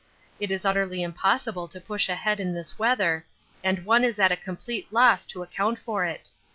It is utterly impossible to push ahead in this weather, and one is at a complete loss to account for it.